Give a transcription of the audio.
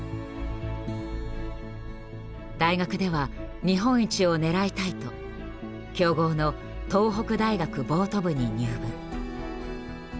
大学では日本一を狙いたいと強豪の東北大学ボート部に入部。